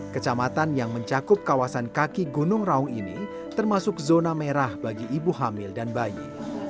kecamatan yang mencakup kawasan kaki gunung raung ini termasuk zona merah bagi ibu hamil dan bayi